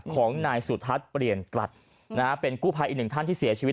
ของนายสุทัศน์เปลี่ยนกลัดนะฮะเป็นกู้ภัยอีกหนึ่งท่านที่เสียชีวิต